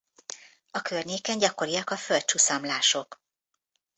A környéken gyakoriak a földcsuszamlások.